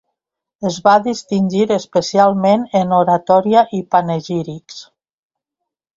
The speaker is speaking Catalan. Es va distingir especialment en oratòria i panegírics.